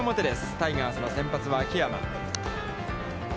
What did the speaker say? タイガースの先発は秋山。